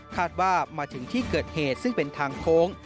มาถึงที่เกิดเหตุซึ่งเป็นทางโค้ง